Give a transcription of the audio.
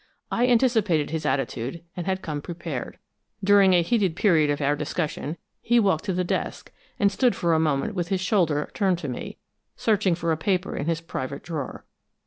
I anticipated his attitude and had come prepared. During a heated period of our discussion, he walked to the desk and stood for a moment with his shoulder turned to me, searching for a paper in his private drawer.